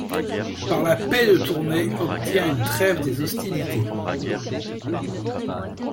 Par la Paix de Tournai obtient une trêve des hostilités.